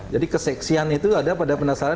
jadi keseksian itu ada pada penasaran